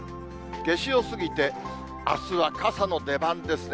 夏至を過ぎて、あすは傘の出番ですね。